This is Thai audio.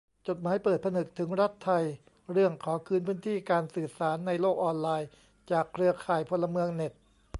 จดหมายเปิดผนึกถึงรัฐไทย เรื่องขอคืนพื้นที่การสื่อสารในโลกออนไลน์ จากเครือข่ายพลเมืองเน็ต